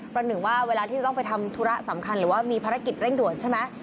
หนึ่งว่าเวลาที่จะต้องไปทำธุระสำคัญหรือว่ามีภารกิจเร่งด่วนใช่ไหม